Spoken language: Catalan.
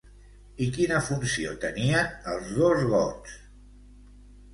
I quina funció tenien els dos gots?